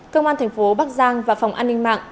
công an tp bắc giang và phòng an ninh mạng